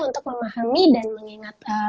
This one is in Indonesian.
untuk memahami dan mengingat